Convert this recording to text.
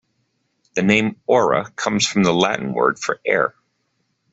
The name "Aura" comes from the Latin word for air.